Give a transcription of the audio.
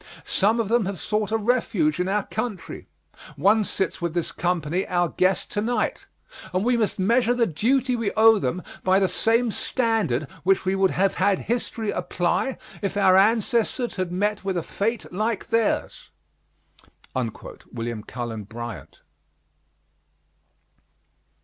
Some of them have sought a refuge in our country one sits with this company our guest to night and we must measure the duty we owe them by the same standard which we would have had history apply, if our ancestors had met with a fate like theirs. WILLIAM CULLEN BRYANT.